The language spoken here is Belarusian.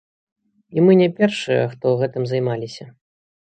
І мы не першыя, хто гэтым займаліся.